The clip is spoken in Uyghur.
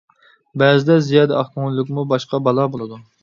بەزىدە زىيادە ئاق كۆڭۈللۈكمۇ باشقا بالا بولىدۇ.